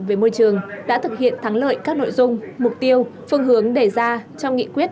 về môi trường đã thực hiện thắng lợi các nội dung mục tiêu phương hướng đề ra trong nghị quyết